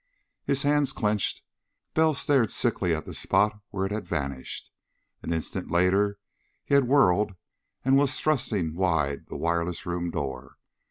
His hands clenched. Bell stared sickly at the spot where it had vanished. An instant later he had whirled and was thrusting wide the wireless room door.